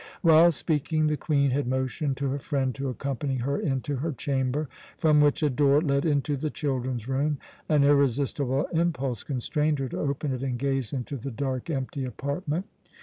While speaking, the Queen had motioned to her friend to accompany her into her chamber, from which a door led into the children's room. An irresistible impulse constrained her to open it and gaze into the dark, empty apartment.